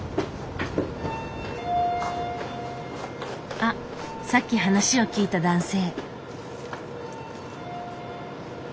あっさっき話を聞いた男性。